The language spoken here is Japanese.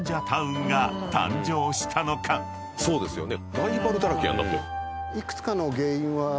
そうですよね。